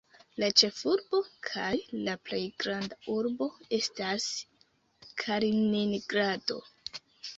La ĉefurbo kaj la plej granda urbo estas Kaliningrado.